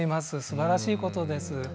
すばらしいことです。